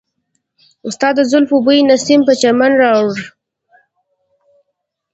ستا د زلفو بوی نسیم په چمن راوړ.